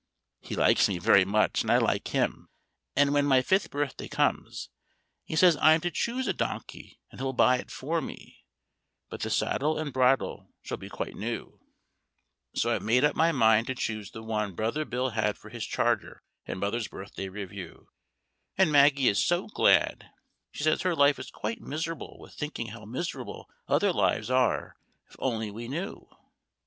He likes me very much, and I like him, and when my fifth birthday comes, he says I'm to choose a donkey, and he'll buy it for me, but the saddle and bridle shall be quite new; So I've made up my mind to choose the one Brother Bill had for his charger at Mother's Birthday Review; And Maggie is so glad, she says her life is quite miserable with thinking how miserable other lives are, if only we knew.